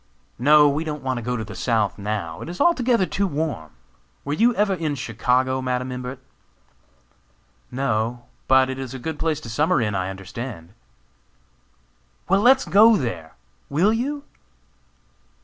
"No, we don't want to go South now, it is altogether too warm. Were you ever in Chicago, Madam Imbert?" "No; but it is a good place to summer in, I understand." "Well, let's go there; will you?"